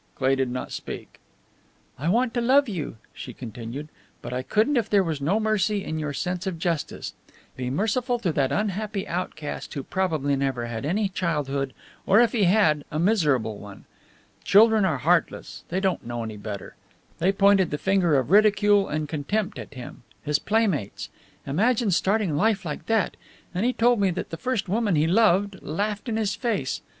Cleigh did not speak. "I want to love you," she continued, "but I couldn't if there was no mercy in your sense of justice. Be merciful to that unhappy outcast, who probably never had any childhood, or if he had, a miserable one. Children are heartless; they don't know any better. They pointed the finger of ridicule and contempt at him his playmates. Imagine starting life like that! And he told me that the first woman he loved laughed in his face!